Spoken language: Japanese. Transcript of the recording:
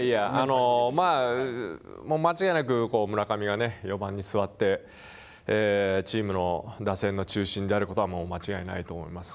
まあ、間違いなく村上が４番に座って、チームの打線の中心であることは間違いないと思います。